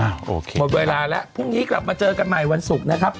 โอเคหมดเวลาแล้วพรุ่งนี้กลับมาเจอกันใหม่วันศุกร์นะครับ